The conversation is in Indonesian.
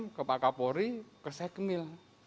langsung ke pak kapolri ke sekmil